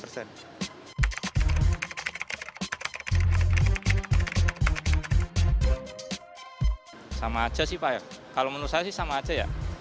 sama aja sih pak ya kalau menurut saya sih sama aja ya